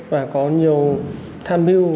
và có nhiều tham mưu